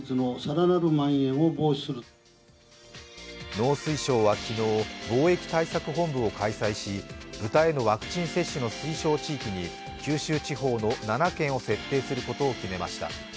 農水省は昨日、防疫対策本部を開催し、豚へのワクチン接種の推奨地域に九州地方の７県を設定することを決めました。